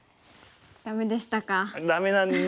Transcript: ダメでしたか。